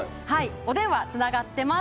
お電話つながってます。